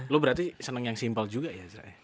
lo berarti seneng yang simple juga ya